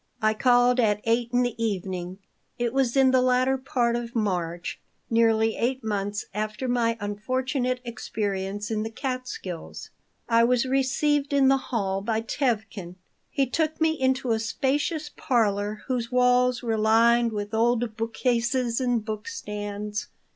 I called at 8 in the evening. It was in the latter part of March, nearly eight months after my unfortunate experience in the Catskills. I was received in the hall by Tevkin. He took me into a spacious parlor whose walls were lined with old book cases and book stands.